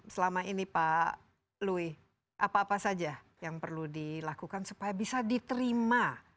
selama ini pak louis apa apa saja yang perlu dilakukan supaya bisa diterima